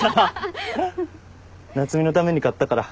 夏海のために買ったから。